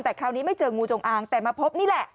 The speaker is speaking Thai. แต่คราวนี้ไม่เจองูจงอางแต่มาพบนี่แหละ